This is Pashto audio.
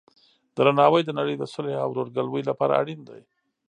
درناوی د نړۍ د صلحې او ورورګلوۍ لپاره اړین دی.